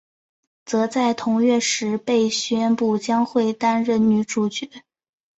则在同月时被宣布将会担任女主角。